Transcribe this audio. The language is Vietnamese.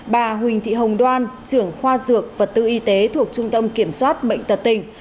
bà huỳnh thị hồng đoan trưởng khoa dược vật tư y tế thuộc trung tâm kiểm soát bệnh tật tỉnh